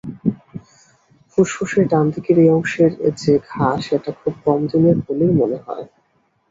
ফুসফুসের ডানদিকের এই অংশের যে ঘা সেটা খুব কম দিনের বলেই মনে হয়।